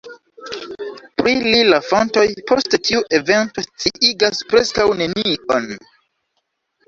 Pri li la fontoj, post tiu evento, sciigas preskaŭ nenion.